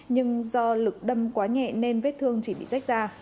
nhưng do lực đâm quá nhẹ nên vết thương chỉ bị rách da